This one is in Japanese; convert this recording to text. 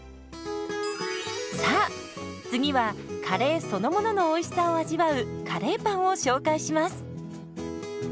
さあ次はカレーそのもののおいしさを味わうカレーパンを紹介します。